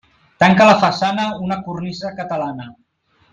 Tanca la façana una cornisa catalana.